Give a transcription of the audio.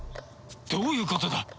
どういうことだ！？